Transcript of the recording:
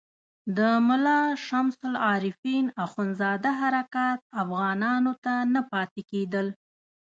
د ملا شمس العارفین اخندزاده حرکات افغانانو ته نه پاتې کېدل.